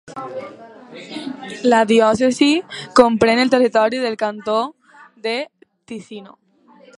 La diòcesi comprèn el territori del Cantó de Ticino.